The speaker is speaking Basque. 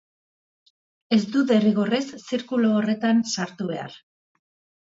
Ez du derrigorrez zirkulu horretan sartu behar.